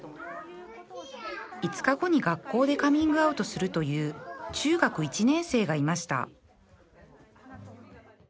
５日後に学校でカミングアウトするという中学１年生がいました